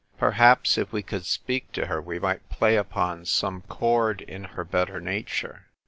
Per haps, if we could speak to her we might play upon some chord in her better nature."